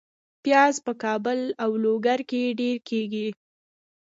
پیاز په کابل او لوګر کې ډیر کیږي